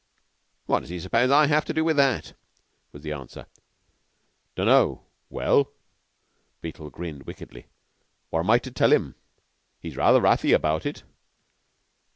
'" "What does he suppose I have to do with that?" was the answer. "Dunno. Well?" Beetle grinned wickedly. "What am I to tell him? He's rather wrathy about it."